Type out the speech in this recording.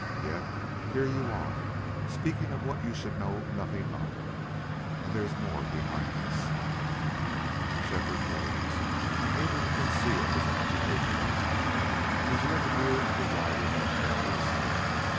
Yet, here you are speaking of what you should know nothing of.... And there's more behind this." Shefford rose, unable to conceal his agitation. "Did you ever hear of a rider named Venters?"